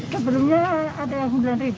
sebelumnya ada yang sembilan